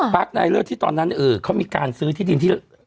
ปาร์คไนเลอร์ดที่ตอนนั้นเขามีการซื้อที่ดินที่